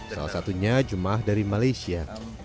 salah satunya jemaah dari malaysia